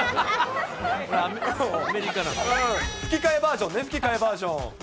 吹き替えバージョンね、吹き替えバージョン。